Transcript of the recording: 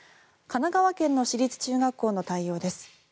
神奈川県の私立中学校の対応です。